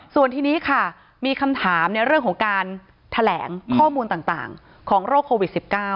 ส่วนทีนี้ค่ะมีคำถามในเรื่องของการแถลงข้อมูลต่างของโรคโควิด๑๙